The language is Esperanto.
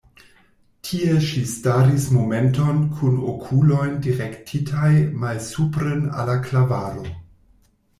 Tie ŝi staris momenton kun okuloj direktitaj malsupren al la klavaro.